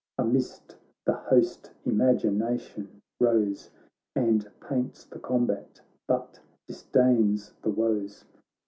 Amidst the host imagination rose And paints the combat, but disdains the woes.